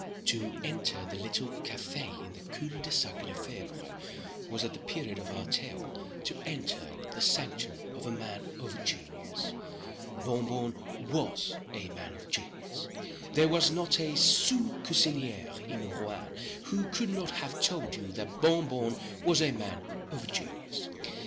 To enter the little café in the cul de sac Le Febre was, at the period of our tale, to enter the sanctum of a man of genius. Bon Bon was a man of genius. There was not a sous cusinier in Rouen, who could not have told you that Bon Bon was a man of genius.